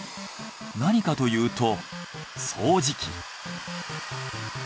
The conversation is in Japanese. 何かというと掃除機。